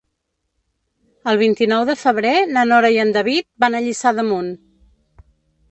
El vint-i-nou de febrer na Nora i en David van a Lliçà d'Amunt.